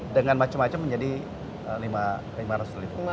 dengan macam macam menjadi rp lima ratus triliun